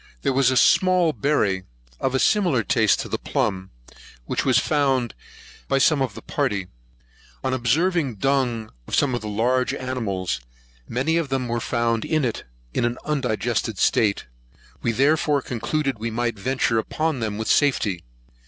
There was a small berry, of a similar taste to the plumb, which was found by some of the party. On observing the dung of some of the larger animals, many of them were found in it, in an undigested state; we therefore concluded we might venture upon them with safety.